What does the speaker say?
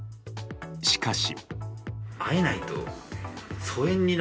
しかし。